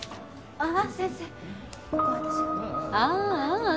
ああ。